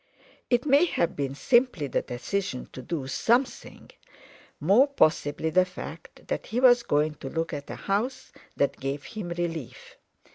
It may have been simply the decision to do something—more possibly the fact that he was going to look at a house—that gave him relief.